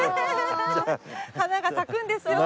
花が咲くんですよ。